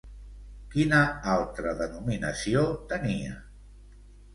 Quina altra denominació tenia?